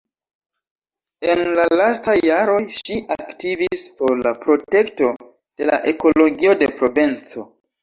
En la lastaj jaroj, ŝi aktivis por la protekto de la ekologio de Provenco.